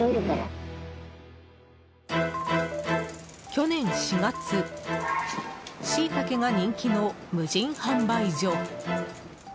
去年４月シイタケが人気の無人販売所。